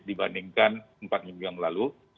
dibandingkan empat minggu yang lalu